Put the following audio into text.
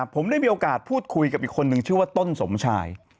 ผมได้มีโอกาสพูดคุยกับอีกคนนึงชื่อว่าต้นสมชาย